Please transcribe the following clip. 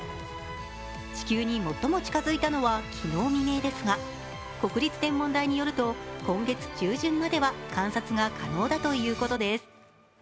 地球に最も近づいたのは、昨日未明ですが、国立天文台によると今月中旬までは観察が可能だということです。